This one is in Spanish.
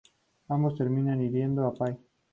Ambos terminan hiriendo a Pai.